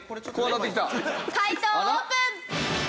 解答オープン！